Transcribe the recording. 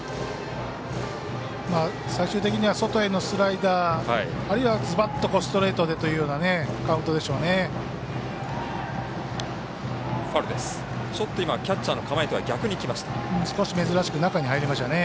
最終的には外へのスライダーあるいは、ずばっとストレートでというようなカウントでしょうね。